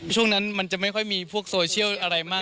ช่วงนั้นมันจะไม่ค่อยมีพวกโซเชียลอะไรมาก